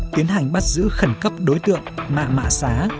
tiến hành bắt giữ khẩn cấp đối tượng mạng mạng xá